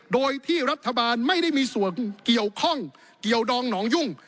โดยที่รัฐบาลไม่ได้มีส่วนเกี่ยวข้องเกี่ยวดองหนองยุ่ง